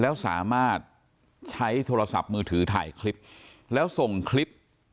แล้วสามารถใช้โทรศัพท์มือถือถ่ายคลิปแล้วส่งคลิป